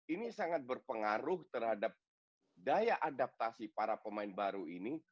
ini sangat berpengaruh terhadap daya adaptasi para pemain baru ini